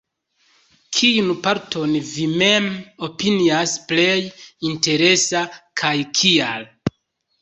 Kiun parton vi mem opinias plej interesa, kaj kial?